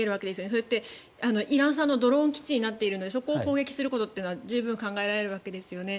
それってイラン産のドローン基地になっているのでそこを攻撃するには十分考えられるわけですよね。